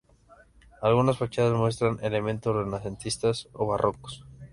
Algunas fachadas muestran elementos renacentistas o barrocos.